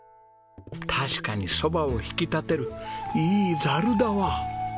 確かに蕎麦を引き立てるいいざるだわ。